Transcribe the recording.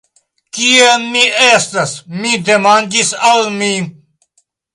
Kie mi estas? mi demandis al mi.